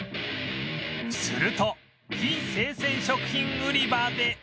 すると非生鮮食品売り場で